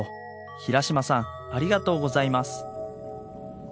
平嶋さんありがとうございます。